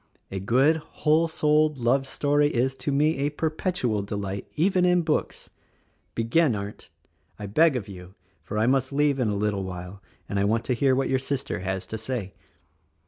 A good, whole souled, love story is, to me, a perpetual delight, even in books. Begin Arndt! I beg of you, for I must leave in a little while and I want to hear what your sister has to say."